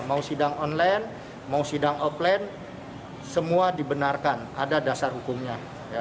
mau sidang online mau sidang offline semua dibenarkan ada dasar hukumnya